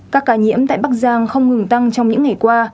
các ca nhiễm tại bắc giang không ngừng tăng trong những ngày qua